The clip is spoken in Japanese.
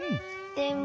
でも。